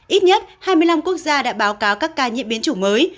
ít nhất hai mươi năm quốc gia đã báo cáo các ca nhiễm biến chủng mới